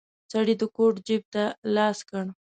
سړی د کوټ جيب ته لاس کړ.